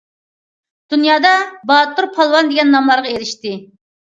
دۇنيادا باتۇر، پالۋان دېگەن ناملارغا ئېرىشتى.